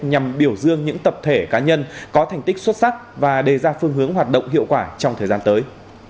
nhằm biểu dương những tập thể cá nhân có thành tích xuất sắc và đề ra phương hướng hoạt động hiệu quả trong thời gian tới